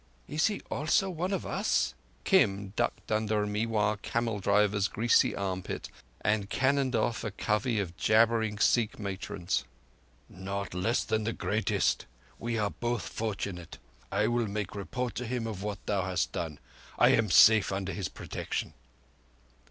"Is he also one of Us?" Kim ducked under a Mewar camel driver's greasy armpit and cannoned off a covey of jabbering Sikh matrons. "Not less than the greatest. We are both fortunate! I will make report to him of what thou hast done. I am safe under his protection."